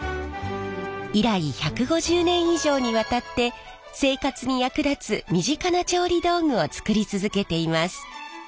以来１５０年以上にわたって生活に役立つ身近な調理道具を作り続けています。